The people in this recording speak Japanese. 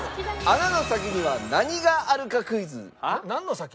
穴の先には何があるかクイズです。